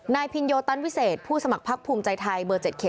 นายพินโยตันวิเศษผู้สมัครพักภูมิใจไทย๗๔